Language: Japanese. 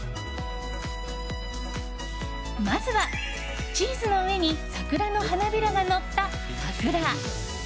まずは、チーズの上に桜の花びらがのった、さくら。